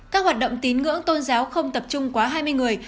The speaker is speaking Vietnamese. các hoạt động tín ngưỡng tôn giáo không tập trung quá hai mươi người